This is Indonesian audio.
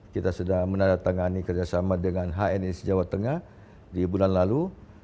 kita sudah menandatangani kerjasama dengan hnis jawa tengah di bulan lalu